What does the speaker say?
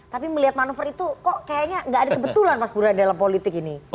tapi melihat manuver itu kok kayaknya nggak ada kebetulan mas burhan dalam politik ini